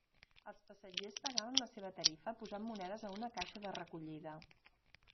Els passatgers pagaven la seva tarifa posant monedes a una caixa de recollida.